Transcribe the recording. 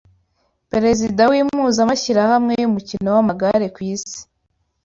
Perezida w’impuzamashyirahamwe y’umukino w’amagare ku isi